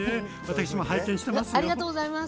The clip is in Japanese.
私も拝見してますよ。